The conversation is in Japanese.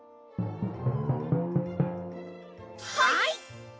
はい！